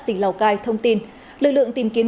tỉnh lào cai thông tin lực lượng tìm kiếm